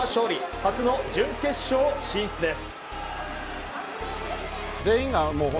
初の準決勝進出です。